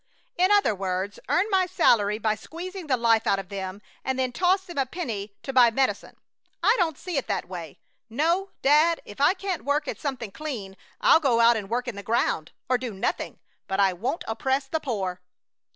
"In other words, earn my salary by squeezing the life out of them and then toss them a penny to buy medicine. I don't see it that way! No, dad, if I can't work at something clean I'll go out and work in the ground, or do nothing, but I won't oppress the poor."